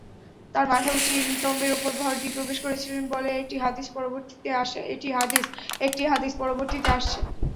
তারা মাথা উঁচিয়ে নিতম্বের ওপর ভর দিয়ে প্রবেশ করেছিল বলে একটি হাদীস পরবর্তীতে আসছে।